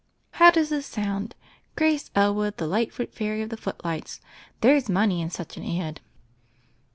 How does this sound: — 'Grace Elwood, the Light foot Fairy of the Footlights.' There's money in such an ad."